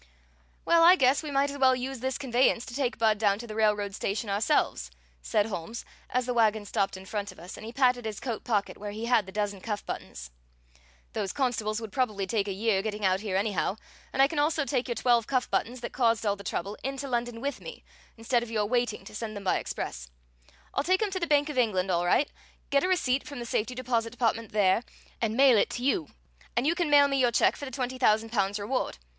"Well, I guess we might as well use this conveyance to take Budd down to the railroad station ourselves," said Holmes, as the wagon stopped in front of us, and he patted his coat pocket where he had the dozen cuff buttons. "Those constables would probably take a year getting out here anyhow, and I can also take your twelve cuff buttons that caused all the trouble into London with me, instead of your waiting to send them by express. I'll take 'em to the Bank of England all right, get a receipt from the safety deposit department there, and mail it to you; and you can mail me your check for the twenty thousand pounds reward.